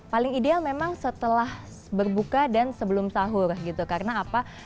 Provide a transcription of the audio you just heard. paling ideal memang setelah berbuka dan sebelum sahur gitu karena apa